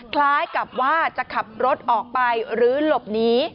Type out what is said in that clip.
คล้ายกับว่าจะขับรถออกไปหรือหลบหนี